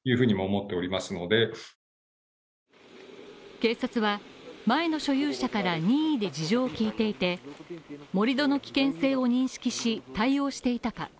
警察は、前の所有者から任意で事情を聞いていて盛り土の危険性を認識し、対応していたか。